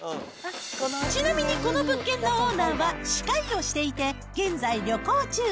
ちなみにこの物件のオーナーは、歯科医をしていて、現在、旅行中。